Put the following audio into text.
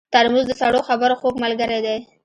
ترموز د سړو خبرو خوږ ملګری دی.